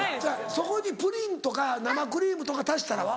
そこにプリンとか生クリームとか足したらは？